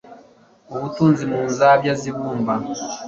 ubutunzi mu nzabya z ibumba